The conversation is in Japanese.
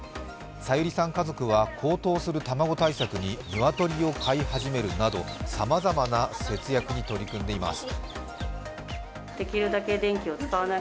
さゆりさん家族は高騰する卵対策に鶏を飼い始めるなどさまざまな節約に取り組んでいます。